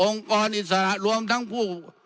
กรอิสระรวมทั้งผู้